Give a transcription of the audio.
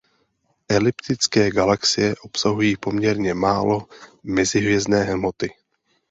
Eliptické galaxie obsahují poměrně málo mezihvězdné hmoty.